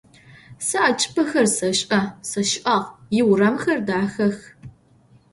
Сэ а чӏыпӏэхэр сэшӏэ, сащыӏагъ, иурамхэр дахэх.